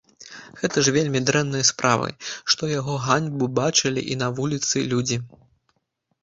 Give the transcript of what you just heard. Гэта ж вельмі дрэнныя справы, што яго ганьбу бачылі і на вуліцы людзі.